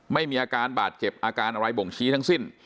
ไม่มีอาการบาดเจ็บอาการอะไรบ่งชี้ทั้งสิ้น